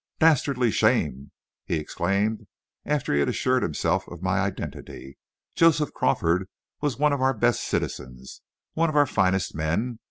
"Dastardly shame!" he exclaimed, after he had assured himself of my identity. "Joseph Crawford was one of our best citizens, one of our finest men.